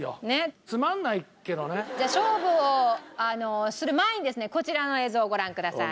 じゃあ勝負をする前にですねこちらの映像ご覧ください。